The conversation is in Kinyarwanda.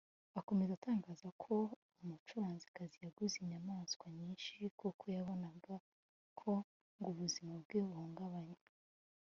Akomeza atangaza ko uwo mucuranzikazi yaguze inyamaswa nyinshi kuko yabonaga ko ngo ubuzima bwe buhungabanye